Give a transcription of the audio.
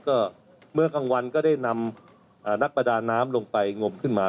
ก็เมื่อกลางวันก็ได้นำนักประดาน้ำลงไปงมขึ้นมา